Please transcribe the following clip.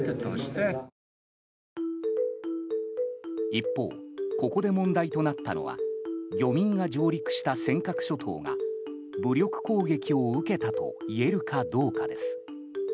一方、ここで問題となったのは漁民が上陸した尖閣諸島が武力攻撃を受けたといえるかどうかです。